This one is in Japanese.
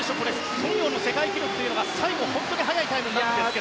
ソン・ヨウの世界記録というのが最後、速いタイムになってくるんですが。